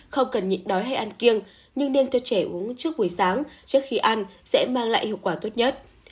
không cần nhịt đói hay ăn kiêng nhưng nên cho trẻ uống trước buổi sáng trước khi ăn sẽ mang lại hiệu quả tốt nhất